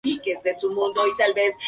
Y se lo propuso a Miley y le gustó.